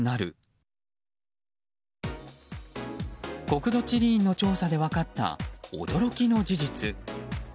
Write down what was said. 国土地理院の調査で分かった驚きの事実。